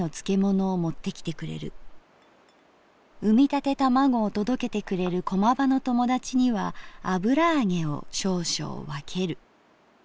生みたて玉子を届けてくれる駒場の友達には油揚げを少々わける」。